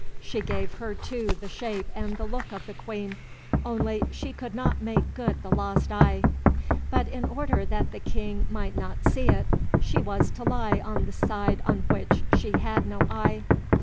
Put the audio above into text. She gave her too the shape and the look of the Queen, only she could not make good the lost eye. But in order that the King might not see it, she was to lie on the side on which she had no eye.